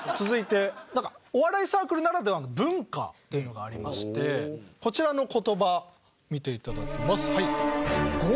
続いてお笑いサークルならではの文化というのがありましてこちらの言葉見て頂きます。